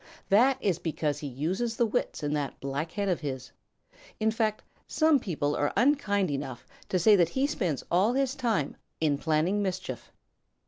That is because he uses the wits in that black head of his. In fact, some people are unkind enough to say that he spends all his spare time in planning mischief.